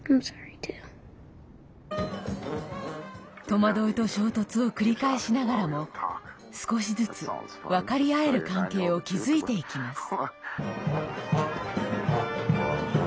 戸惑いと衝突を繰り返しながらも少しずつ分かり合える関係を築いていきます。